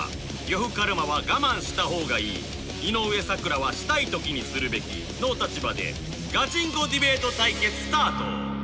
呂布カルマは我慢した方がいい井上咲楽はしたい時にするべきの立場でガチンコディベート対決スタート！